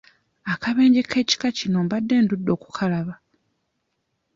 Akabenje ak'ekika kino mbadde ndudde okukalaba.